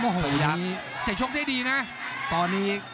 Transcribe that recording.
ภูตวรรณสิทธิ์บุญมีน้ำเงิน